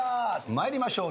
参りましょう。